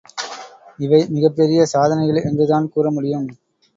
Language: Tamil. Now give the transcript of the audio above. இவை மிகப் பெரிய சாதனைகள் என்றுதான் கூறமுடியும்.